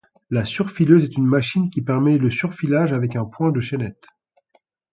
La surfileuse est une machine qui permet le surfilage avec un point de chaînette.